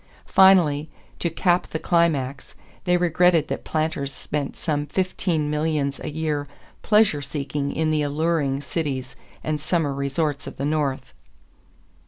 Finally, to cap the climax, they regretted that planters spent some fifteen millions a year pleasure seeking in the alluring cities and summer resorts of the North.